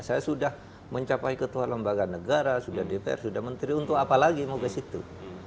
saya sudah mencapai ketua lembaga negara sudah dpr sudah menteri untuk apa lagi mau ke situ